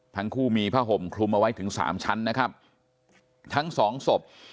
ทั้งคู่มีผ้าห่มคลุมเอาไว้ถึงสามชั้นนะครับทั้งสองศพ